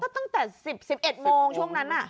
ตั้งแต่๑๑โมงช่วงนั้น